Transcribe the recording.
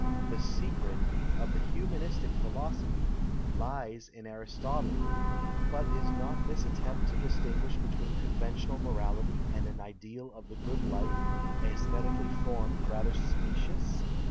" The secret " of the humanistic philosophy " lies in Aristotle." 80 THE FUNCTION OF CRITICISM But is not this attempt to ciistinf, niish between conventional morality and an ideal of the good life, jesthetically formed, rather specious